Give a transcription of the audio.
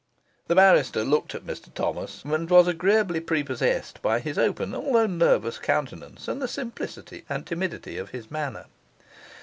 The barrister looked at Mr Thomas and was agreeably prepossessed by his open although nervous countenance, and the simplicity and timidity of his manner.